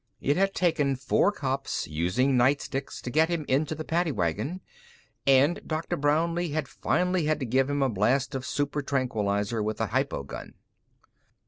It had taken four cops, using night sticks, to get him into the paddy wagon, and Dr. Brownlee had finally had to give him a blast of super tranquilizer with a hypogun.